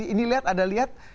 ini lihat ada lihat